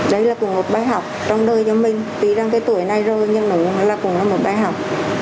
đây là cùng một bài học trong đời giống mình tuy rằng cái tuổi này rồi nhưng nó cũng là cùng một bài học